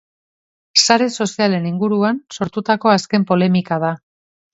Sare sozialen inguruan sortutako azken polemika da.